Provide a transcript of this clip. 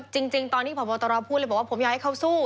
จริงตอนนี้พบตรพูดเลยบอกว่าผมอยากให้เขาสู้